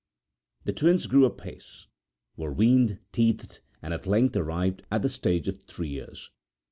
The twin's grew apace; were weaned; teethed; and at length arrived at the stage of three years!